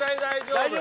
大丈夫！